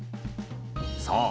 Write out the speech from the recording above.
そう。